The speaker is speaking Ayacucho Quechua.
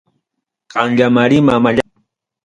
Qamllamari mamallayta.